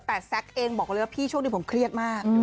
แต่แซ็กเองบอกเลยว่าพี่ช่วงนี้ผมเครียดมาก